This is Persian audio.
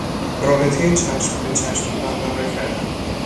رابطهی چشم به چشم برقرار کردن